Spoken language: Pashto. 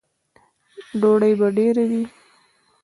_ډوډۍ به ډېره وي؟